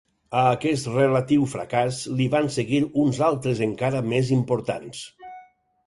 A aquest relatiu fracàs li van seguir uns altres encara més importants.